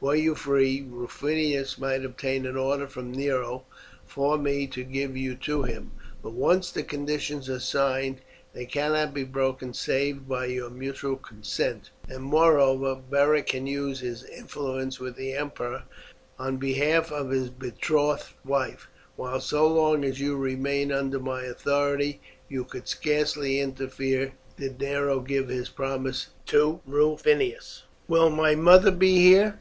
Were you free, Rufinus might obtain an order from Nero for me to give you to him, but once the conditions are signed they cannot be broken save by your mutual consent; and moreover, Beric can use his influence with the emperor on behalf of his betrothed wife, while so long as you remain under my authority he could scarcely interfere did Nero give his promise to Rufinus." "Will my mother be here?"